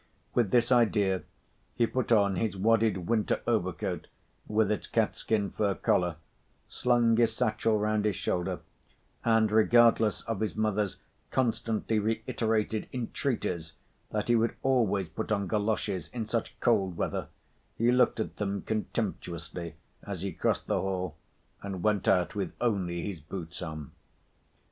With this idea he put on his wadded winter overcoat with its catskin fur collar, slung his satchel round his shoulder, and, regardless of his mother's constantly reiterated entreaties that he would always put on goloshes in such cold weather, he looked at them contemptuously as he crossed the hall and went out with only his boots on.